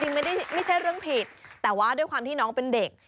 ไม่ใช่เรื่องผิดแต่ว่าด้วยความที่น้องเป็นเด็ก